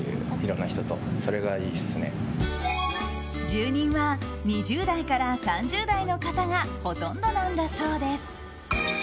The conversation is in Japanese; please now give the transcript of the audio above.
住人は２０代から３０代の方がほとんどなんだそうです。